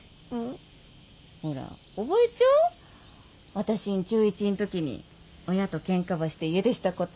私ん中１んときに親とケンカばして家出したこと。